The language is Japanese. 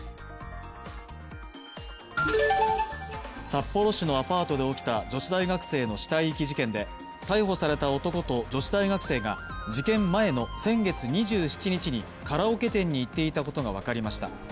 札幌市のアパートで起きた女子大学生の死体遺棄事件で逮捕された男と女子大学生が事件前の先月２７日にカラオケ店に行っていたことがわかりました。